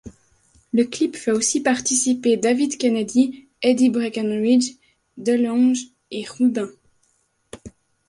Le clip fait aussi participer David Kennedy, Eddie Breckenridge, DeLonge et Rubin.